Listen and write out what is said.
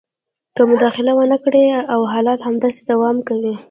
که مداخله ونه کړي او حالات همداسې دوام کوي